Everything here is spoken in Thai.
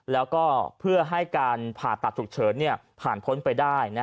แล้วก็เพื่อให้การผ่าตัดฉุกเฉินผ่านพ้นไปได้